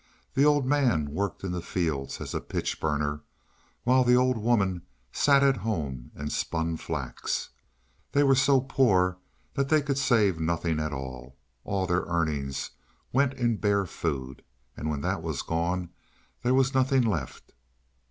The old man worked in the fields as a pitch burner, while the old woman sat at home and spun flax. They were so poor that they could save nothing at all; all their earnings went in bare food, and when that was gone there was nothing left.